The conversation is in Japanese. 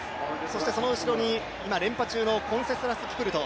そしてその後ろに今、連覇中のコンセスラス・キプルト。